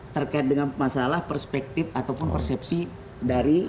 terkait dengan masalah perspektif ataupun persepsi dari